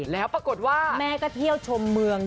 แล้วปรากฏว่าแม่ก็เที่ยวชมเมือง